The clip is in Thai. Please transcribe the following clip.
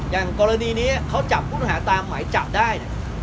อย่างกรณีนี้เขาจับคุณหาตามไหมจับได้